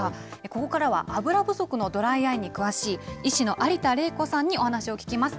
ここからは油不足のドライアイに詳しい、医師の有田玲子さんにお話を聞きます。